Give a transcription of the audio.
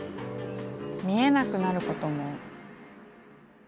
見えなくなることも。